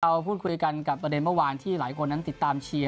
เราพูดคุยกันกับประเด็นเมื่อวานที่หลายคนนั้นติดตามเชียร์